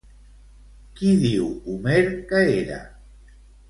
Qui diu Homer que era?